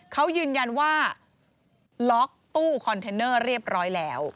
เขายืนยันว่าล็อกตู้คอนเทนเนอร์เรียบร้อยแล้ว